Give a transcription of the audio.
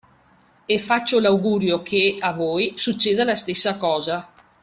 E faccio l'augurio che, a voi, succeda la stessa cosa.